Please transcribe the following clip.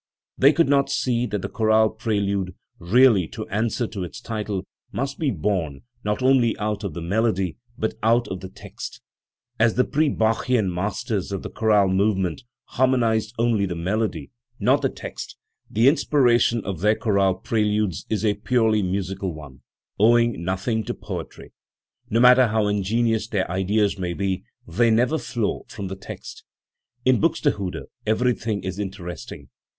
They could not see that the chorale prelude, really to answer to its title, must be born not only out of the melody but out of the text. As the pre Bachian masters of the chorale movement harmonised only the melody, not the text, the inspiration Bach and his Predecessors, 49 of their chorale preludes is a purely musical one, owing nothing to poetry. No matter how ingenious their ideas may be, they never flow from the text. In Buxtehude everything is interesting.